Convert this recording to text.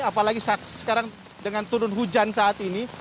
apalagi sekarang dengan turun hujan saat ini